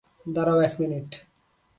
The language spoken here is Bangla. দাঁড়াও এক মিনিট।